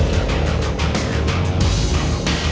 gue gak terima boy